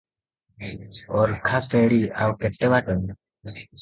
ଅର୍ଖାପେଡି ଆଉ କେତେ ବାଟ?